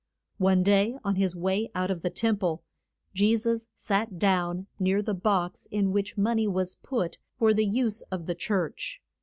One day, on his way out of the tem ple, Je sus sat down near the box in which mon ey was put for the use of the church.